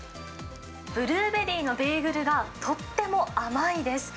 ブルーベリーのベーグルが、とっても甘いです。